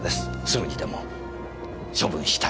すぐにでも処分したい。